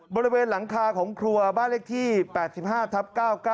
บริเวณหลังคาของครัวบ้านเลขที่๘๕ทับ๙๙